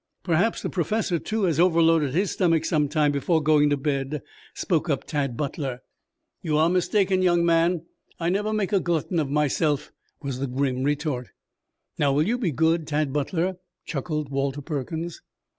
"Perhaps the Professor, too, has overloaded his stomach some time before going to bed," spoke up Tad Butler. "You are mistaken, young man. I never make a glutton of myself," was the grim retort. "Now will you be good, Tad Butler?" chuckled Walter Perkins.